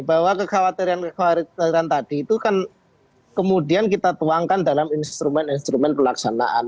bahwa kekhawatiran kekhawatiran tadi itu kan kemudian kita tuangkan dalam instrumen instrumen pelaksanaan